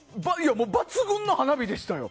もう、抜群の花火でしたよ。